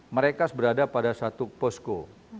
mereka berada pada satu posko